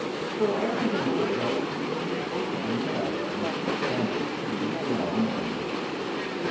So I sent him word I wouldn't think of opening without him, and it's to be to morrow morning."